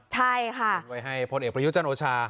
ใช่ค่ะไว้ให้พลเอกประยุทธ์จันโอชา